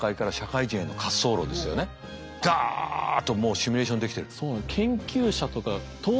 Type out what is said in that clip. ダッともうシミュレーションできてる。